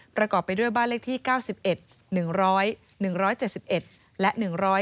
ประกอบไปด้วยบ้านเลขที่๙๑๑๐๑๗๑และ๑๕